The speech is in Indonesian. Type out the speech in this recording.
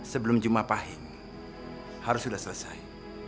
sebelum juma pahing harus sudah selesai